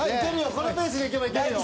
このペースでいけばいけるよ。